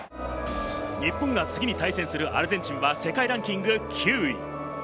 日本が次に対戦するアルゼンチンは世界ランキング９位。